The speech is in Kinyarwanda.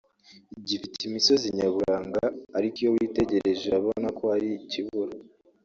gifite imisozi nyaburanga ariko iyo witegereje urabona ko hari ikibura